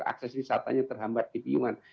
akses wisatanya terhambat di piyungan